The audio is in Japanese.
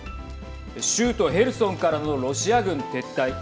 州都ヘルソンからのロシア軍撤退。